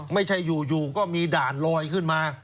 ไม่ใช่อยู่ก็มีด่านลอยขึ้นมา